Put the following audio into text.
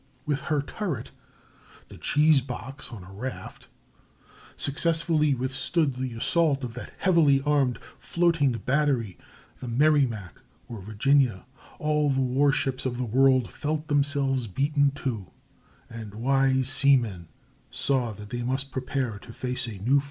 When her turret—the "cheese box on a raft"—successfully withstood the assault of that heavily armed floating battery, the Merrimac (or Virginia), all the war ships of the world felt themselves beaten, too, and wise seamen saw that they must prepare to face a new foe.